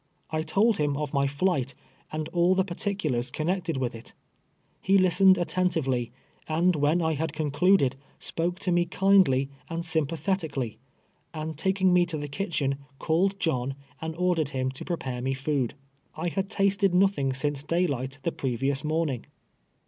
I told him of my flight, and all the par ticulars connected with it. lie listened attentively, and when I had concluded, spoke to me kindly and sympathetically, and taking me to the kitchen, called John, and ordered him to prepare me food. I had tasted nothing since daylight the previous morning.